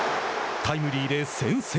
タイムリーで先制。